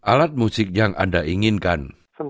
alat musik yang anda inginkan